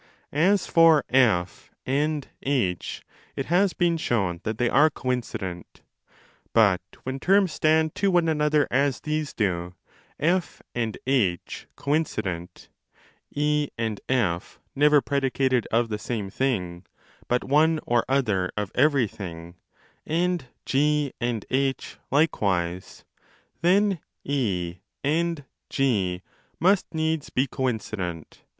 As for F and H, it has been shown that they are coincident. But when terms stand to one another as these do, F and # coincident, & and F never predicated of the same thing but one or other of everything, and G and 30 7 likewise, then & and G must needs be coincident.